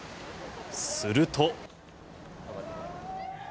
すると。